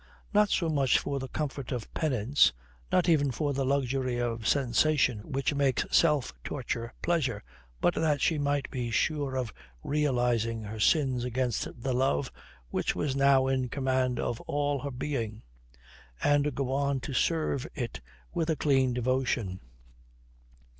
Not so much for the comfort of penance, not even for the luxury of sensation which makes self torture pleasure, but that she might be sure of realizing her sins against the love which was now in command of all her being, and go on to serve it with a clean devotion.